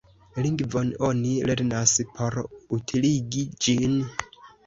Lingvon oni lernas por utiligi ĝin.